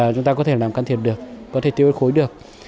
chúng ta có thể làm can thiệp được có thể tiêu hơi khối được